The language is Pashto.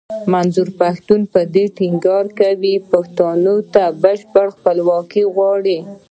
منظور پښتين په دې ټينګار کوي پښتنو ته بشپړه خپلواکي غواړي.